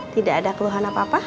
tidak ada keluhan apa apa